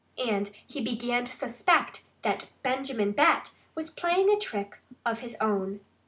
And he began to suspect that Benjamin Bat was playing a trick of his own.